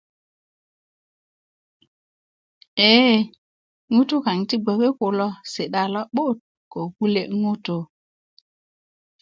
eee ŋutu' kaŋ ti gboke kulo si'da lo'but ko kule ŋutu'